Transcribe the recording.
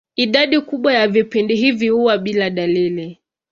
Idadi kubwa ya vipindi hivi huwa bila dalili.